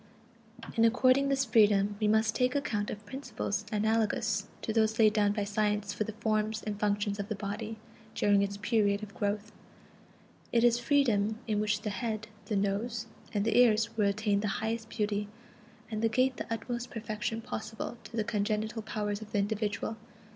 In according this freedom we must take account of principles analogous to those laid down by science for the forms and functions of the body during its period of growth; it is a freedom in which the head, the nose, and the ears will attain the highest beauty, and the gait the utmost perfection possible to the congenital powers of the individual.